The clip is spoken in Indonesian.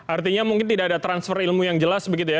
artinya mungkin tidak ada transfer ilmu yang jelas begitu ya